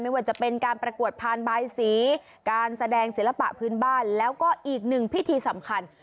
ไม่ว่าจะเป็นการประกวดพานบายสีการแสดงศิลปะพื้นบ้านแล้วก็อีกหนึ่งพิธีสำคัญ